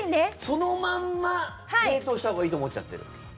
そのまま冷凍したほうがいいと思っちゃってる。